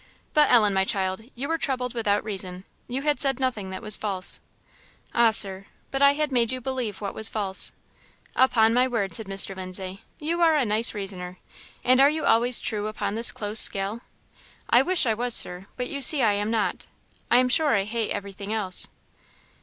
But, Ellen, my child, you were troubled without reason; you had said nothing that was false." "Ah, Sir, but I had made you believe what was false." "Upon my word," said Mr. Lindsay, "you are a nice reasoner. And are you always true upon this close scale?" "I wish I was, Sir; but you see I am not. I am sure I hate everything else!"